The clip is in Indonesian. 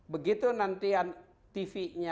begitu nanti tv nya